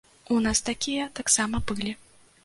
У нас такія таксама былі.